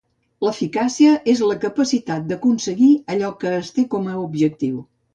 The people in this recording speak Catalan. L'eficàcia és la capacitat d'aconseguir allò que es té com a objectiu.